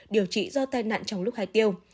điều trị do tai nạn trong lúc hái tiêu